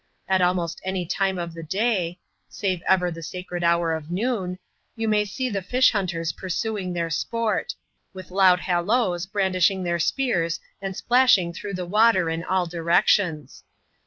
At almost any time of the day — save ever the sacred hour of noon — you may see the fish hunters pursuing their sport; with loud halloes, brandishing their spears, and splashing through the water in aU directions.